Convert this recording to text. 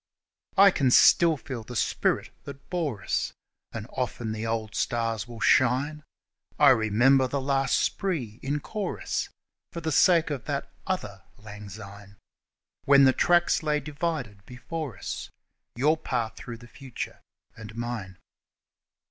I can still feel the spirit that bore us, And often the old stars will shine I remember the last spree in chorus For the sake of that other Lang Syne, When the tracks lay divided before us, Your path through the future and mine.